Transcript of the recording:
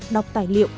đọc tài liệu